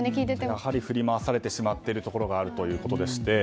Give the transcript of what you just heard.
やはり振り回されてしまっているところがあるということでして。